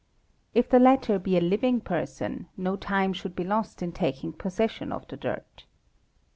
if the latter be a living person no time should be lost in taking possession of the dirt.